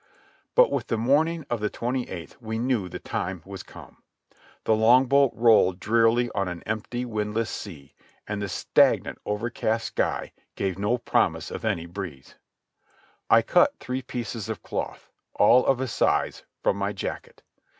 But with the morning of the twenty eighth we knew the time was come. The longboat rolled drearily on an empty, windless sea, and the stagnant, overcast sky gave no promise of any breeze. I cut three pieces of cloth, all of a size, from my jacket.